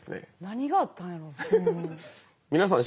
何があったんやろう？